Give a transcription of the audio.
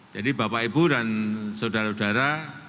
jadi bapak ibu dan saudara saudara